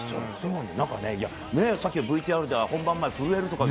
なんかね、さっきＶＴＲでは、本番前、震えるとか。